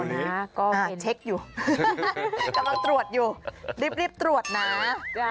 นะก็ไปเช็คอยู่กำลังตรวจอยู่รีบตรวจนะ